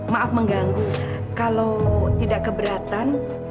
maaf mengganggu kalau tidak keberatan